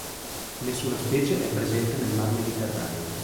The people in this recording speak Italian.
Nessuna specie è presente nel mar Mediterraneo.